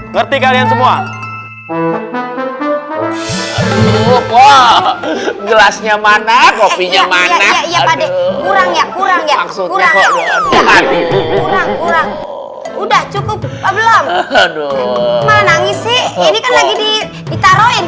ngerti kalian semua ngopi ngopi nya mana ya udah cukup belum nangis sih ini kan lagi ditaruhin